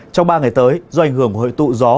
trong ba ngày tới do ảnh hưởng của hội tụ gió